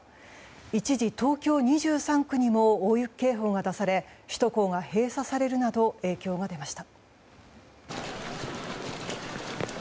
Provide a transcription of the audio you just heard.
一時、東京２３区にも大雪警報が出され首都高が閉鎖されるなど影響が出ました。